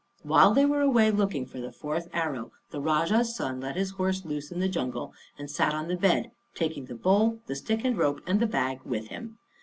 While they were away looking for the fourth arrow the Rajah's son let his horse loose in the jungle and sat on the bed, taking the bowl, the stick and rope, and the bag with him.